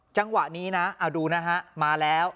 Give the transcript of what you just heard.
จังหวะนี้นะเอาดูนะฮะมาแล้ว